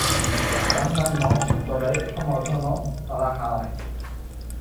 অন্যান্য দলের সমর্থনও তারা হারায়।